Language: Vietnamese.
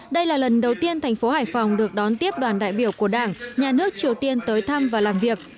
đây là lần đầu tiên thành phố hải phòng được đón tiếp đoàn đại biểu của đảng nhà nước triều tiên tới thăm và làm việc